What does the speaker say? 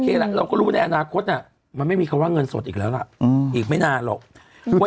เราก็รู้ว่าในอนาคตมันไม่มีคำว่าเงินสดอีกแล้วล่ะอีกไม่นานหรอกว่า